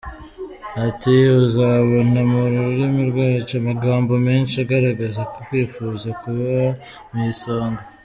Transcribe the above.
Ati “Uzabona mu rurimi rwacu amagambo menshi agaragaza ukwifuza kuba ku isonga.